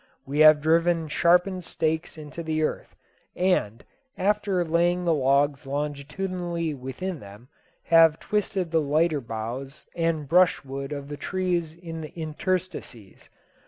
We have driven sharpened stakes into the earth, and, after laying the logs longitudinally within them, have twisted the lighter boughs and brushwood of the trees in the interstices.